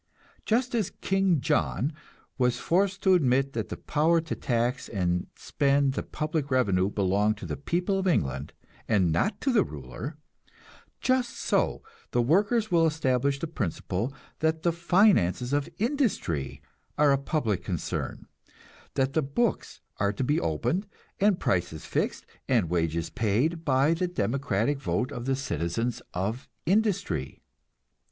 Just as King John was forced to admit that the power to tax and spend the public revenue belonged to the people of England, and not to the ruler; just so the workers will establish the principle that the finances of industry are a public concern, that the books are to be opened, and prices fixed and wages paid by the democratic vote of the citizens of industry.